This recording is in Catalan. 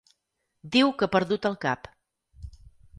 Diu que ha perdut el cap.